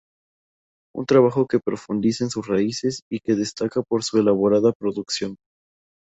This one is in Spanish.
Un trabajo que profundiza en sus raíces y que destaca por su elaborada producción.